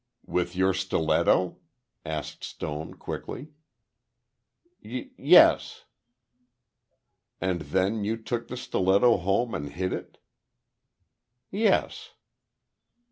"With your stiletto?" asked Stone, quickly. "Y—Yes." "And then you took the stiletto home and hid it?" "Yes."